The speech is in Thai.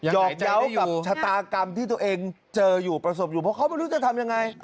อกเยาว์กับชะตากรรมที่ตัวเองเจออยู่ประสบอยู่เพราะเขาไม่รู้จะทำยังไง